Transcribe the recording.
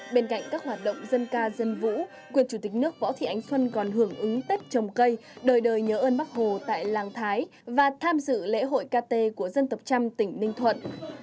bên cạnh các hoạt động dân ca dân vũ quyền chủ tịch nước võ thị ánh xuân còn hưởng ứng tết trồng cây đời đời nhớ ơn bác hồ tại làng thái và tham dự lễ hội kt của dân tộc trăm tỉnh ninh thuận